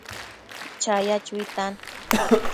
chaya chuitan